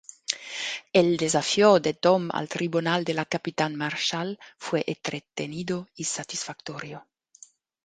El desafío de Tom al tribunal de la capitán Marshall fue entretenido y satisfactorio.